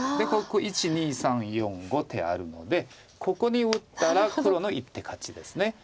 ここ１２３４５手あるのでここに打ったら黒の１手勝ちです。